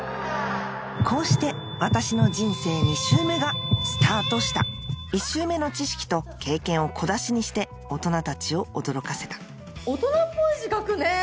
こうして私の人生２周目がスタートした１周目の知識と経験を小出しにして大人たちを驚かせた大人っぽい字書くね。